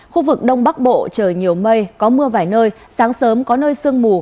khu vực đông bắc bộ trời nhiều mây có mưa vài nơi sáng sớm có nơi sương mù